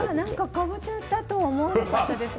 かぼちゃだと思わなかったです。